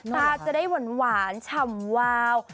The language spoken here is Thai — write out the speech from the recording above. ตาจะได้หวานฉ่ำวาว